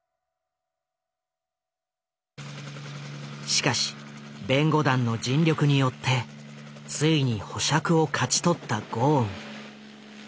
しかし弁護団の尽力によってついに保釈を勝ち取ったゴーン。